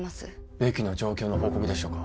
ベキの状況の報告でしょうか？